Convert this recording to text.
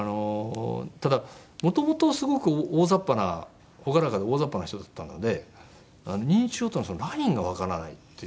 ただ元々すごく大雑把な朗らかで大雑把な人だったので認知症とのラインがわからないという。